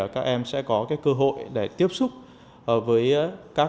các em sẽ có cơ hội để tiếp xúc với các doanh nghiệp